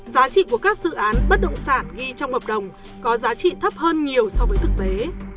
giá trị của các dự án bất động sản ghi trong hợp đồng có giá trị thấp hơn nhiều so với thực tế